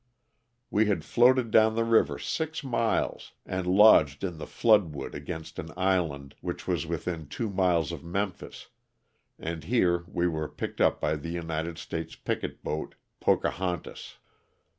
We had floated down the river six miles and lodged in the flood wood against an island which was within two miles of Memphis, and here we were picked up by the United States picket boat, "^Poca hontas."